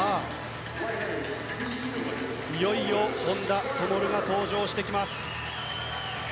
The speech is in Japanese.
いよいよ本多灯が登場してきます。